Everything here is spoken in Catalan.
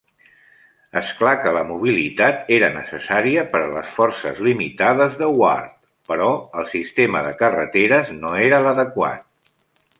És clar que la mobilitat era necessària per a les forces limitades de Ward, però el sistema de carreteres no era l'adequat.